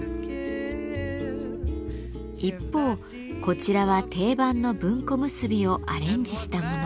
一方こちらは定番の文庫結びをアレンジしたもの。